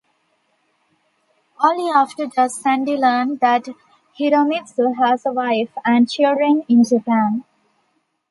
Only after does Sandy learn that Hiromitsu has a wife and children in Japan.